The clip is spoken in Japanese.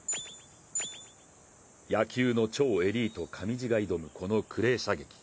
野球の超エリート・上地が挑むこのクレー射撃。